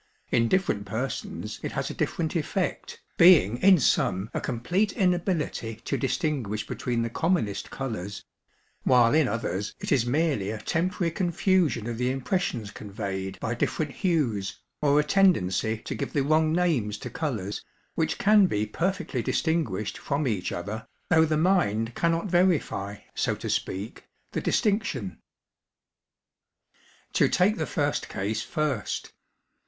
In different persons it has a different effect, being in some a complete inability to distinguish between the commonest colours; while in others it is merely a temporary confusion of the impressions conveyed by different hues, or a tendency to give the wrong names to colours, which can be perfectly distinguished from each other, though the mind cannot verify, so to speak, the distinction. To take the first case first.